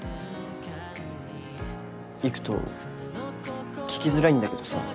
偉人聞きづらいんだけどさ。